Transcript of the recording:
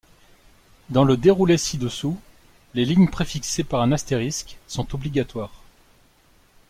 Dans le déroulé ci-dessous, les lignes préfixés par un astérisque sont obligatoires.